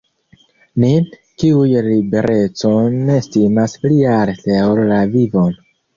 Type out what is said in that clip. Nin, kiuj liberecon estimas pli alte ol la vivon.